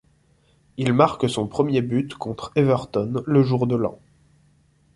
Il marque son premier but contre Everton le jour de l'an.